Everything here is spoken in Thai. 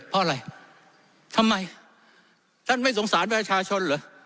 เพราะอะไรทำไมท่านไม่สงสารประชาชนเหรอ